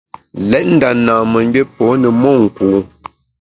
Lét nda namemgbié pô ne monku.